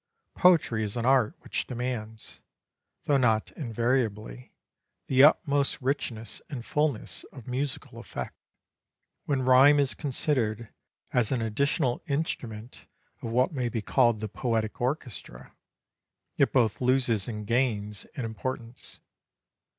Poetry is an art which demands though not invariably the utmost richness and fulness of musical effect. When rhyme is considered as an additional instrument of what may be called the poetic orchestra, it both loses and gains in importance.